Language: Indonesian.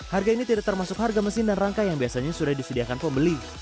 harga ini tidak termasuk harga mesin dan rangka yang biasanya sudah disediakan pembeli